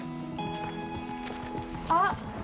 あっ！